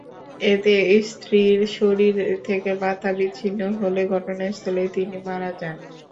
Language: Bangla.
এতে স্ত্রীর শরীর থেকে মাথা বিচ্ছিন্ন হলে ঘটনাস্থলেই তিন মারা যান।